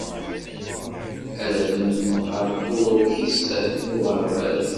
Ad adfent ɣer tuṛkist n uɣerbaz.